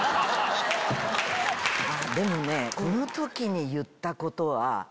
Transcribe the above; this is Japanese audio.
でもねこの時に言ったことは。